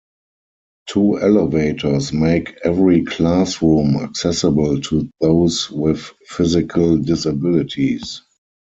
Two elevators make every classroom accessible to those with physical disabilities.